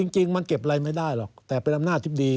จริงมันเก็บอะไรไม่ได้หรอกแต่เป็นอำนาจที่ดี